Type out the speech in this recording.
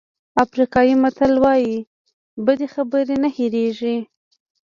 افریقایي متل وایي بدې خبرې نه هېرېږي.